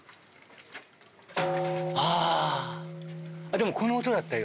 でもこの音だったよ。